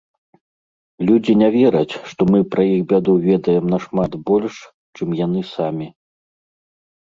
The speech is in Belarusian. Людзі не вераць, што мы пра іх бяду ведаем нашмат больш, чым яны самі.